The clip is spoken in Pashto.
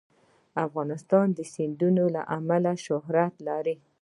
افغانستان د سیندونه له امله شهرت لري.